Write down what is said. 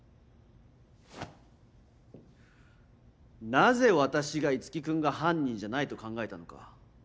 なぜ私が樹君が犯人じゃないと考えたのか。